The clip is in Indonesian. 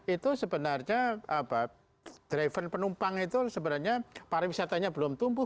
itu sebenarnya driver penumpang itu sebenarnya pariwisatanya belum tumbuh